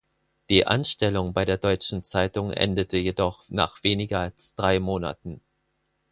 Die Anstellung bei der deutschen Zeitung endete jedoch nach weniger als drei Monaten.